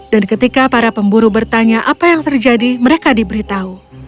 dan ketika para pemburu bertanya apa yang terjadi mereka diberitahu